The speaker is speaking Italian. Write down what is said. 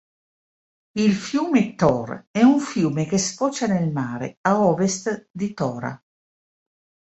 Il Fiume Tor è un fiume che sfocia nel mare a ovest di Tora.